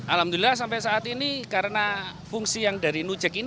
alhamdulillah sampai saat ini karena fungsi yang dari nujek ini